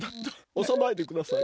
おさないでください。